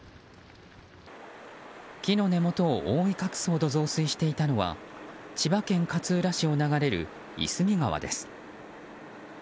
木の根元を覆い隠すほど増水していたのは千葉県勝浦市を流れる夷隅川です。